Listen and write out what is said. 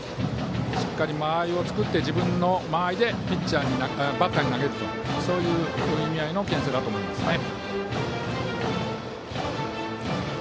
しっかり間合いを作って自分の間合いでバッターに投げるという意味合いのけん制だと思いますね。